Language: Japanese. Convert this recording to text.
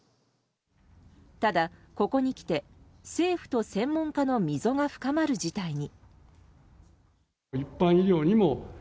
ただ、ここにきて政府と専門家の溝が深まる事態に。